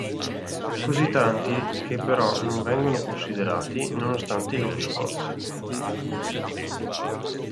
Così tanti che però non vengono considerati, nonostante i loro sforzi.